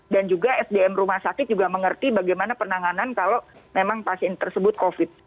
dan juga sdm rumah sakit juga mengerti bagaimana penanganan kalau memang pasien tersebut covid